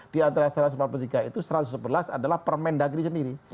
di antara satu ratus empat puluh tiga itu satu ratus sebelas adalah permendagri sendiri